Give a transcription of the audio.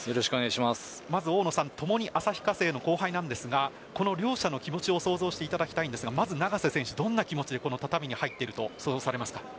大野さん共に旭化成の後輩なんですが両者の気持ちを想像してほしいんですが永瀬選手、どんな思いで畳に入っていると想像されます？